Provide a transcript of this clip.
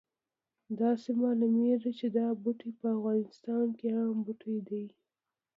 داسې معلومیږي چې دا بوټی په افغانستان کې عام بوټی دی